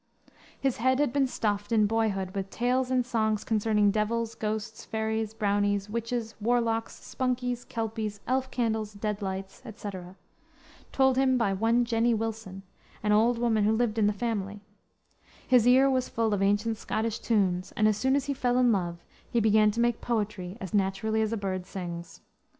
His head had been stuffed, in boyhood, with "tales and songs concerning devils, ghosts, fairies, brownies, witches, warlocks, spunkies, kelpies, elf candles, dead lights," etc., told him by one Jenny Wilson, an old woman who lived in the family. His ear was full of ancient Scottish tunes, and as soon as he fell in love he began to make poetry as naturally as a bird sings.